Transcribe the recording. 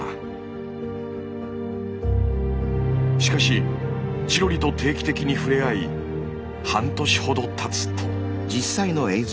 しかしチロリと定期的に触れ合い半年ほどたつと。